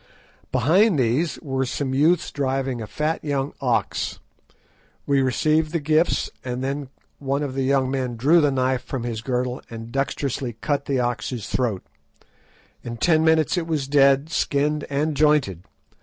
Behind these were some youths driving a fat young ox. We received the gifts, and then one of the young men drew the knife from his girdle and dexterously cut the ox's throat. In ten minutes it was dead, skinned, and jointed.